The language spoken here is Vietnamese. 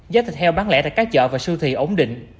giá thịt heo bán lẻ tại các chợ và siêu thị ổn định